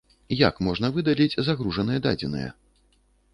Як можна выдаліць загружаныя дадзеныя?